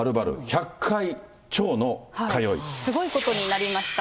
で、すごいことになりました。